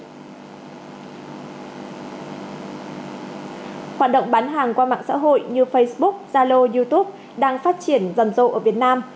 hoạt động bán hàng qua mạng xã hội như facebook zalo youtube đang phát triển rầm rộ ở việt nam